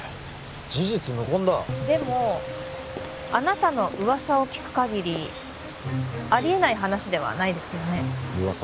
事実無根だでもあなたの噂を聞くかぎりあり得ない話ではないですよね噂？